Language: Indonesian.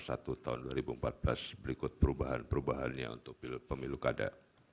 dan undang undang tujuh tahun dua ribu empat belas berikut perubahan perubahannya untuk pemilu kada